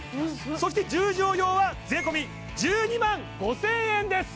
そして１０畳用は税込１２万５０００円です